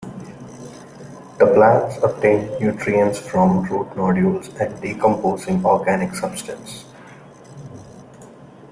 The plants obtain nutrients from root nodules and decomposing organic substance.